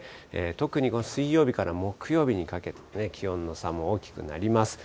特にこの水曜日から木曜日にかけて、気温の差も大きくなります。